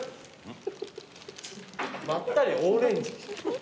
まったりオーレンジ？